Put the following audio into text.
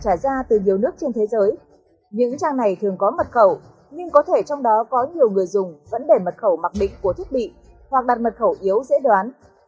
có rất nhiều kết quả trả ra từ nhiều nước trên thế giới những trang này thường có mật khẩu nhưng có thể trong đó có nhiều người dùng vẫn để mật khẩu mặc định của thiết bị hoặc đặt mật khẩu yếu dễ đoán